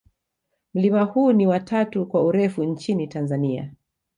mlima huu ni wa tatu kwa urefu nchini tanzania